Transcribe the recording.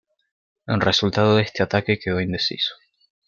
El resultado de este ataque quedó indeciso.